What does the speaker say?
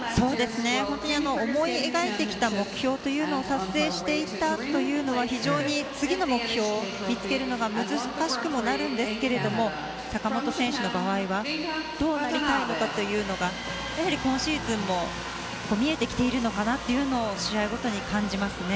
本当に思い描いてきた目標を達成していったあとは次の目標を見つけることが難しくもなるんですけど坂本選手の場合はどうなりたいのかというのが今シーズンも見えてきているのかなというのを試合ごとに感じますね。